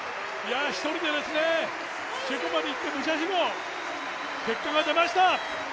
１人でチェコまで行って武者修行、結果が出ました。